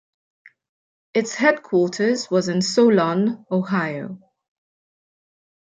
Its headquarters was in Solon, Ohio.